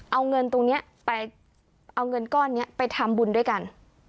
เอาเงินตรงนี้ไปเอาเงินก้อนนี้ไปทำบุญด้วยกัน